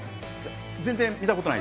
全然見たことない。